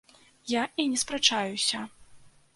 Я і не спрачаюся.